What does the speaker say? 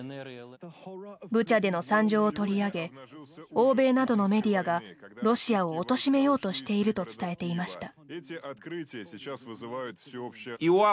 ブチャでの惨状を取り上げ欧米などのメディアがロシアをおとしめようとしていると伝えていました。